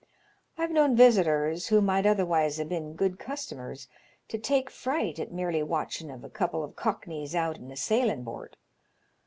I've known visitors, who might otherwise ha' been good customers, to take fright at merely watchin' of a couple of cockneys out in a sailin* bort.